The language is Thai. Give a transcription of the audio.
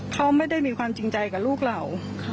เขาไม่ได้มีความจริงใจกับลูกเรา